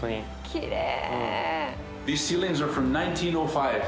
きれい。